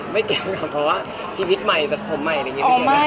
ไม่เก็บค่ะเพราะว่าชีวิตใหม่แบบผมใหม่อะไรอย่างเงี้ย